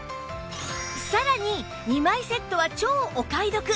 さらに２枚セットは超お買い得！